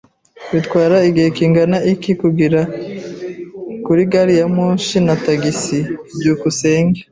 Bitwara igihe kingana iki kuri gari ya moshi na tagisi? byukusenge